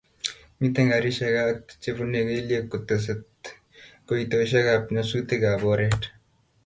Mitei garisiek ak chebunei kelyek ko tesei koitosiekab nyasutikab oret